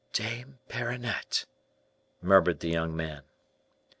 "Dame Perronnette!" murmured the young man.